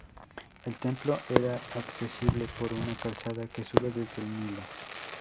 El templo era accesible por una calzada que sube desde el Nilo.